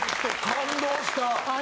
感動した。